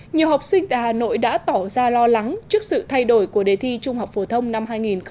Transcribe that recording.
nhiều học sinh tại hà nội đã tỏ ra lo lắng trước sự thay đổi của đề thi trung học phổ thông năm hai nghìn một mươi chín